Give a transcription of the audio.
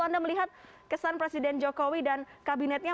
anda melihat kesan presiden jokowi dan kabinetnya